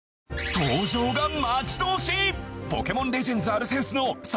登場が待ち遠しい！